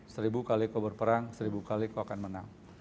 seribu kali kau berperang seribu kali kau akan menang